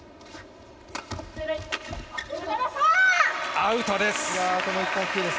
アウトです。